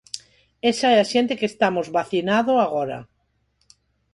Esa é a xente que estamos vacinado agora.